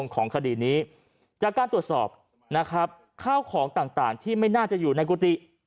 ของคดีนี้จากการตรวจสอบนะครับข้าวของต่างที่ไม่น่าจะอยู่ในกุฏิ